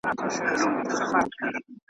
او د عربي تاړاک پخوا زمانې څخه يې راپيل کړ